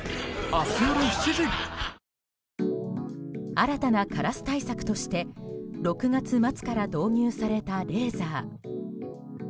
新たなカラス対策として６月末から導入されたレーザー。